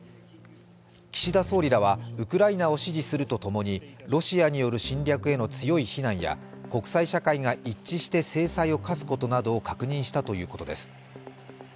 岸田総理らはウクライナを支持するとともにロシアによる侵略への強い非難や国際社会が一致して制裁を課すことなどを確認したということです。